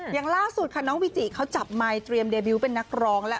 อย่างล่าสุดค่ะน้องวิจิเขาจับไมค์เตรียมเดบิวต์เป็นนักร้องแล้ว